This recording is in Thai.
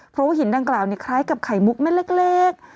เพราะว่าหินด้านกลางนี่คล้ายกับไข่มุกแม่เล็ก